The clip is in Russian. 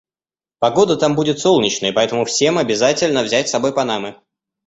Погода там будет солнечной, поэтому всем обязательно взять с собой панамы.